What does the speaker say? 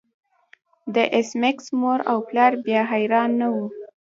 د ایس میکس مور او پلار بیا حیران نه وو